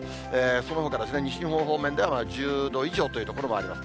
そのほか西日本方面では、１０度以上という所もあります。